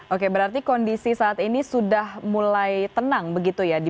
oke berarti kondisi saat ini sudah mulai tenang begitu ya